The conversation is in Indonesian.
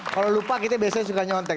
kalau lupa kita biasanya suka nyontek